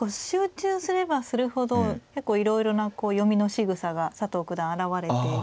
集中すればするほど結構いろいろな読みのしぐさが佐藤九段現れて。